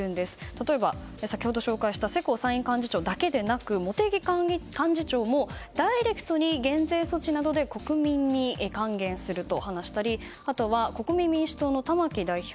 例えば、先ほど紹介した世耕参院幹事長だけでなく茂木幹事長もダイレクトに減税措置などで国民に還元すると話したりあとは、国民民主党の玉木代表。